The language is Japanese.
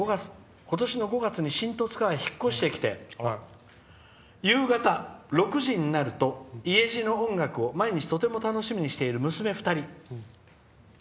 今年の５月に新十津川に引っ越してきて夕方６時になると「家路」の音楽を毎日とても楽しみにしている娘２人」。